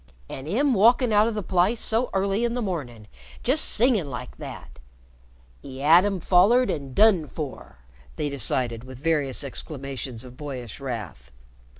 "An' 'im walkin' out o' the place so early in the mornin' just singin' like that! 'E 'ad 'im follered an' done for!" they decided with various exclamations of boyish wrath.